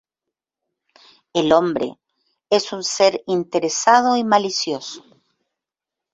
El hombre es un ser interesado y malicioso.